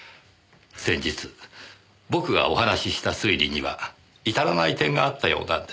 先日僕がお話しした推理には至らない点があったようなんです。